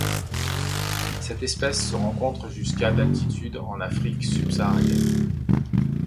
Cette espèce se rencontre jusqu'à d'altitude en Afrique subsaharienne.